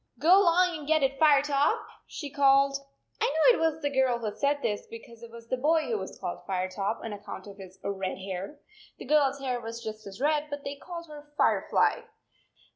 " Go along and get it, Firetop," she called. I know it was the girl who said this, because it was the boy who was called Firetop, on account of his red hair. The girl s hair was just as red, but they called her Firefly.